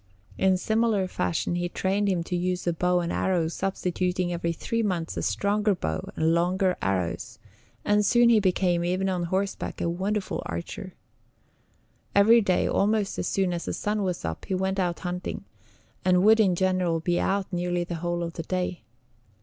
In similar fashion he trained him to the use of bow and arrow substituting every three months a stronger bow and longer arrows, and soon he became, even on horseback, a wonderful archer. Every day, almost as soon as the sun was up, he went out hunting, and would in general be out nearly the whole of the day.